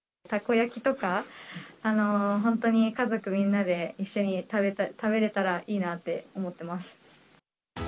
たこ焼きとか、本当に家族みんなで一緒に食べれたらいいなって思ってます。